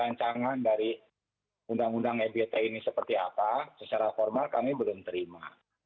rancangan dari undang undang ebt ini seperti apa secara formal kami belum terima